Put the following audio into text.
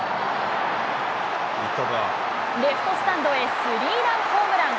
レフトスタンドへ、スリーランホームラン。